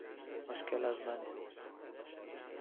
مشکل از منه